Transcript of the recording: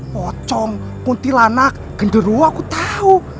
pocong puntilanak genderuwa aku tahu